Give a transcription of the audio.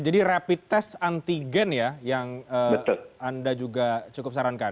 jadi ini adalah test antigen ya yang anda juga cukup sarankan